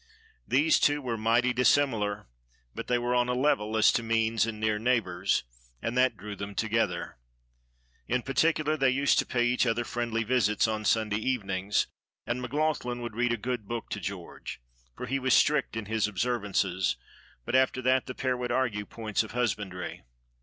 These two were mighty dissimilar, but they were on a level as to means and near neighbors, and that drew them together. In particular, they used to pay each other friendly visits on Sunday evenings, and McLaughlan would read a good book to George, for he was strict in his observances; but after that the pair would argue points of husbandry.